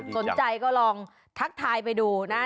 สนใจก็ลองทักทายไปดูนะ